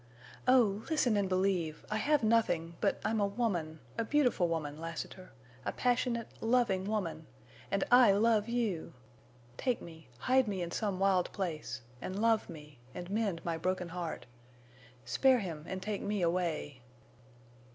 Oh, listen and believe—I have nothing, but I'm a woman—a beautiful woman, Lassiter—a passionate, loving woman—and I love you! Take me—hide me in some wild place—and love me and mend my broken heart. Spare him and take me away."